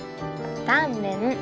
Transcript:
タンメン。